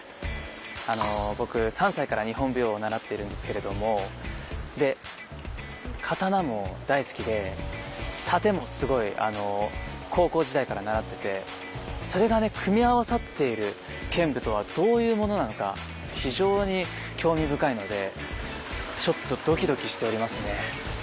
あの僕３歳から日本舞踊を習っているんですけれどもで刀も大好きで殺陣もすごい高校時代から習っててそれがね組み合わさっている剣舞とはどういうものなのか非常に興味深いのでちょっとドキドキしておりますね。